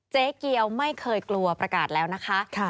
เจ๊เกียวไม่เคยกลัวประกาศแล้วนะคะ